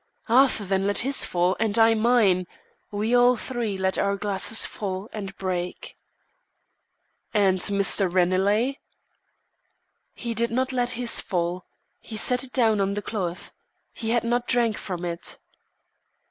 Arthur then let his fall, and I mine. We all three let our glasses fall and break." "And Mr. Ranelagh?" "He did not let his fall. He set it down on the cloth. He had not drank from it."